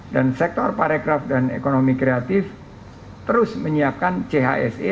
dan sektor parekraft dan ekonomi kreatif terus menyiapkan chse